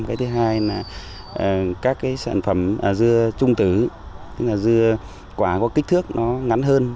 cái thứ hai là các cái sản phẩm dưa trung tứ tức là dưa quả có kích thước nó ngắn hơn